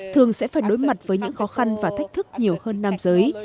thường sẽ phải đối mặt với những khó khăn và thách thức nhiều hơn năm sau